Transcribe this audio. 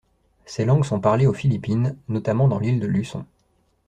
Ces langues sont parlées aux Philippines - notamment dans l'île de Luçon.